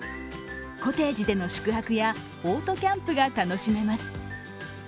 コテージでの宿泊やオートキャンプが楽しめます。